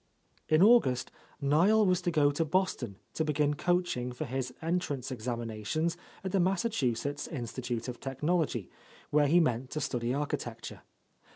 In August Niel was to go to Boston to be gin coaching for his entrance examinations at the Massachusetts Institute of Technology, where he meant to study architecture.